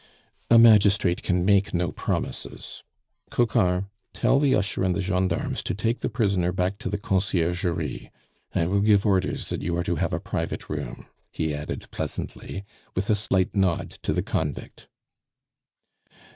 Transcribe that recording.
"A magistrate can make no promises. Coquart, tell the usher and the gendarmes to take the prisoner back to the Conciergerie. I will give orders that you are to have a private room," he added pleasantly, with a slight nod to the convict.